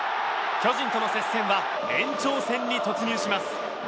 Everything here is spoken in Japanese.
巨人との接戦は延長戦に突入します。